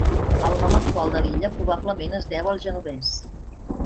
El nom actual de l'illa probablement es deu al genovès.